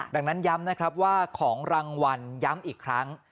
ดังนั้นย้ำนะครับว่าของรางวัลย้ำอีกครั้ง